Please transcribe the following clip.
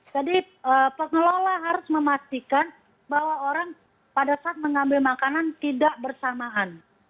jadi pengelola harus memastikan bahwa orang pada saat mengambil makanan tidak bersamaan